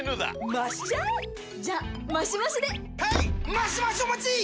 マシマシお待ちっ！！